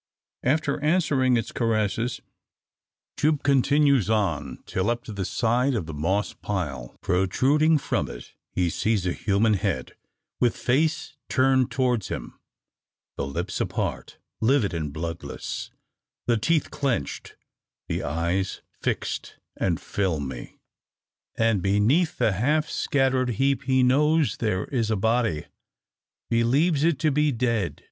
After answering its caresses, Jupe continues on till up to the side of the moss pile. Protruding from it he sees a human head, with face turned towards him the lips apart, livid, and bloodless; the teeth clenched; the eyes fixed and filmy. And beneath the half scattered heap he knows there is a body; believes it to be dead.